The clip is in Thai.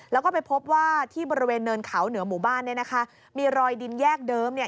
แล้วก็ไปพบว่าที่บริเวณเนินเขาเหนือหมู่บ้านเนี่ยนะคะมีรอยดินแยกเดิมเนี่ย